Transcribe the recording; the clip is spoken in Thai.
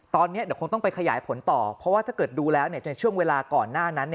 ตอนนี้เดี๋ยวคงต้องไปขยายผลต่อเพราะว่าถ้าเกิดดูแล้วในช่วงเวลาก่อนหน้านั้น